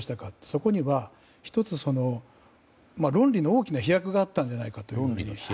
そこには１つ、論理の大きな飛躍があったんじゃないかと。